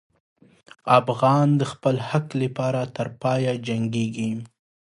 افغان د خپل حق لپاره تر پایه جنګېږي.